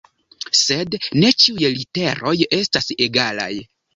Sed ne ĉiuj literoj estas egalaj.